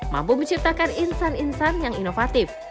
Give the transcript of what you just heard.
mampu menciptakan insan insan yang inovatif